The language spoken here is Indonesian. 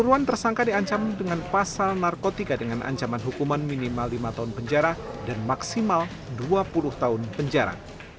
irwan tersangka diancam dengan pasal narkotika dengan ancaman hukuman minimal lima tahun penjara dan maksimal dua puluh tahun penjara